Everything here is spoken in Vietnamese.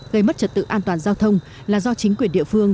gây mất trật tự an toàn giao thông là do chính quyền địa phương